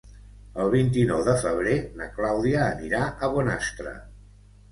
El vint-i-nou de febrer na Clàudia anirà a Bonastre.